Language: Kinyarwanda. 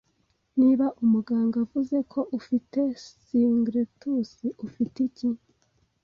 Niba umuganga avuze ko ufite singultus ufite iki